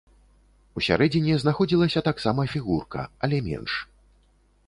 Усярэдзіне знаходзілася таксама фігурка, але менш.